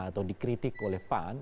atau dikritik oleh pan